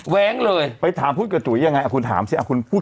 แว้งเลยไปถามพูดกับจุ๋ยยังไงคุณถามสิคุณพูด